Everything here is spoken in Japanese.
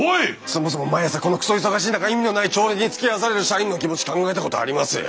そもそも毎朝このクソ忙しい中意味のない朝礼につきあわされる社員の気持ち考えたことあります？